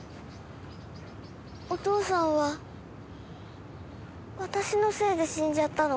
お父さんは私のせいで死んじゃったの？